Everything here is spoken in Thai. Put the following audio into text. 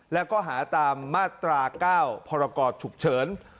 แล้วก็หาตามมาตรา๙พรกชุกเฉิน